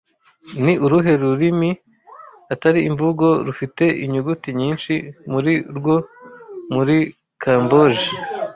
Ni uruhe rurimi (atari imvugo) rufite inyuguti nyinshi muri rwo muri Kamboje